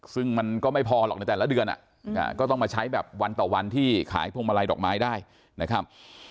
ซึ่งมันก็ไม่พอหรอกในแต่ละเดือนก็ต้องมาใช้แบบวันต่อวันที่ขายพวงมาลัยดอกไม้ได้นะครับ